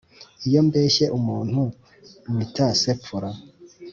Iyo mbeshye umuntu mita nsefura